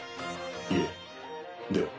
いえでは。